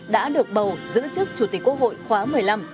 đã được bầu giữ chức chủ tịch quốc hội khóa một mươi năm